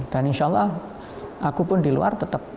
dan insya allah aku pun di luar tetap